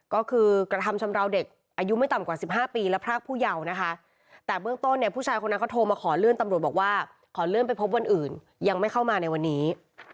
ก็คือกระทำชำราวเด็กอายุไม่ต่ำกว่า๑๕ปีและพรากผู้เยาว์นะคะแต่เบื้องต้นเนี่ยผู้ชายคนนั้นเขาโทรมาขอเลื่อนตำรวจบอกว่าขอเลื่อนไปพบวันอื่นยังไม่เข้ามาในวันนี้